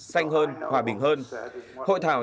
xanh hơn hòa bình hơn hội thảo